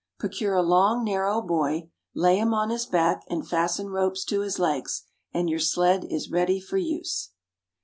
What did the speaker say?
Procure a long, narrow boy, lay him on his back, and fasten ropes to his legs, and your sled is ready for use.